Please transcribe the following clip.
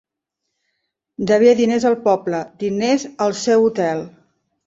Devia diners al poble, diners al seu hotel.